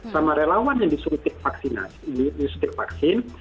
sama relawan yang disuntik vaksin